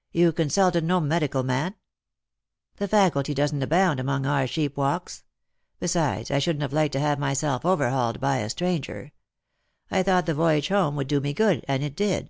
" "You consulted no medical man?" " The faculty doesn't abound among our sheepwalks. Besides, I shouldn't have liked to have myself overhauled by a stranger. I thought the voyage home would do me good, and it did.